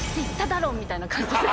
みたいな感じで。